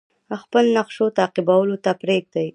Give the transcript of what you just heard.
خپلو نقشو تعقیبولو ته پریږدي.